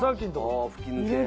ああ吹き抜け。